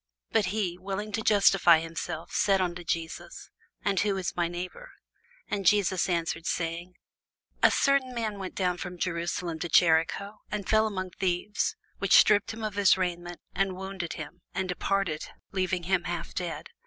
But he, willing to justify himself, said unto Jesus, And who is my neighbour? And Jesus answering said, A certain man went down from Jerusalem to Jericho, and fell among thieves, which stripped him of his raiment, and wounded him, and departed, leaving him half dead.